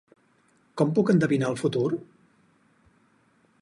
Com puc endevinar el futur?